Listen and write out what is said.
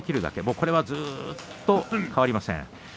これはずっと変わりません。